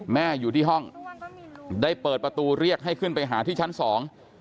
อยู่ที่ห้องได้เปิดประตูเรียกให้ขึ้นไปหาที่ชั้นสอง